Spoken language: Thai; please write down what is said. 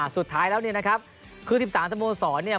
สุดท้ายแล้วเนี่ยนะครับคือ๑๓สโมสรเนี่ย